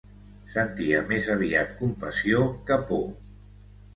Sentia més aviat compassió que por.